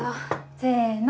せの。